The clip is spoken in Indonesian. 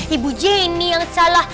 ibu jenny yang salah